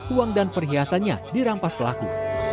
uang dan perhiasannya dirampas pelaku